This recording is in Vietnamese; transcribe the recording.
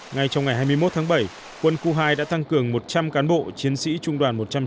ngay trong ngày hai mươi một tháng bảy quân khu hai đã tăng cường một trăm linh cán bộ chiến sĩ trung đoàn một trăm chín mươi